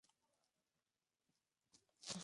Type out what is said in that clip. Por ello debe repetir sus pruebas.